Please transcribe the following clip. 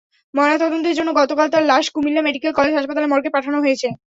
ময়নাতদন্তের জন্য গতকাল তাঁর লাশ কুমিল্লা মেডিকেল কলেজ হাসপাতালের মর্গে পাঠানো হয়েছে।